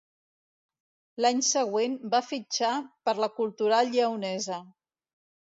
L'any següent va fitxar per la Cultural Lleonesa.